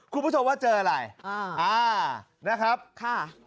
คุณผู้ชมว่าเจออะไรอ่าอ่านะครับค่ะ